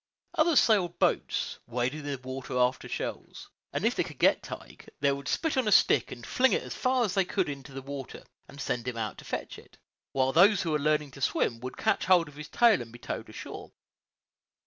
Others sailed boats, waded in the water after shells, and if they could get Tige, they would spit on a stick and fling it as far as they could into the water, and send him in to fetch it out, while those who were learning to swim would catch hold of his tail and be towed ashore.